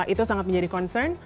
itu sangat menjadi concern